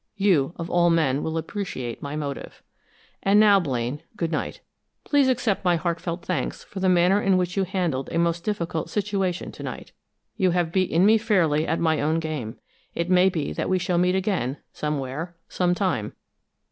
You, of all men, will appreciate my motive. And now, Blaine, good night. Please accept my heartfelt thanks for the manner in which you handled a most difficult situation to night. You have beaten me fairly at my own game. It may be that we shall meet again, somewhere, some time.